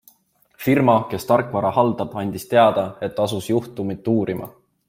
Firma, kes tarkvara haldab, andis teada, et asus juhtumit uurima.